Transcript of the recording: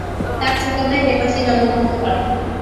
তার ছোট ভাই মে মাসে জন্মগ্রহণ করে।